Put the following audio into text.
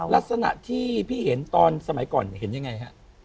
ลักษณะที่พี่เห็นตอนสมัยก่อนเห็นยังไงฮะ